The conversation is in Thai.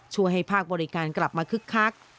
ช่วยให้ภาคบริการกลับมาคึกคัก